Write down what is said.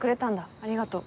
ありがとう。